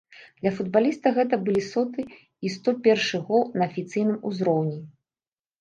Для футбаліста гэта былі соты і сто першы гол на афіцыйным узроўні.